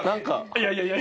いやいやいや。